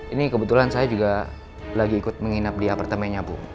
ini kebetulan saya juga lagi ikut menginap di apartemennya bu